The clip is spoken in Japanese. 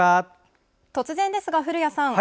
突然ですが、古谷さん